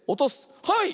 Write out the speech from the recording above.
はい！